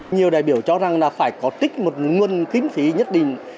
nhiều đại biểu cho rằng là phải có tích một nguồn kinh phí nhất định